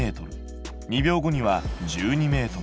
２秒後には１２ｍ。